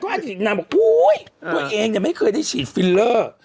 เอาแต่ก็น่าบอกอู้ยตัวเองมันไม่เคยได้ฉีดฟิลเลอร์